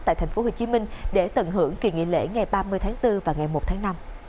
tại thành phố hồ chí minh để tận hưởng kỳ nghỉ lễ ngày ba mươi tháng bốn và ngày một tháng năm